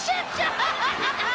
アハハハハ。